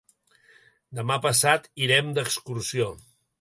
Demà passat irem d'excursió.